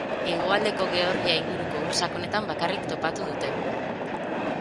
Hegoaldeko Georgia inguruko ur sakonetan bakarrik topatu dute.